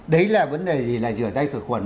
đấy là vấn đề gì là rửa tay khử khuẩn